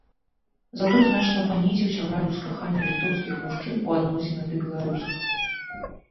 Затое значна панізіўся градус кахання літоўскіх мужчын у адносінах да беларусак.